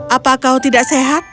apa kau tidak sehat